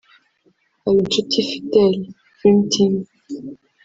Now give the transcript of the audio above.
Habinshuti Fidele (Dream team)